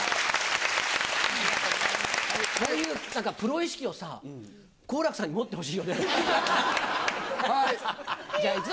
ああいうなんか、プロ意識をさ、好楽さんに持ってほしいよね。